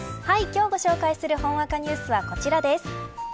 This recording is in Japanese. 今日ご紹介するほんわかニュースはこちらです。